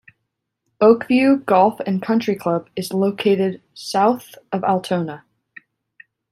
Oakview Golf and Country Club is located south of Altona.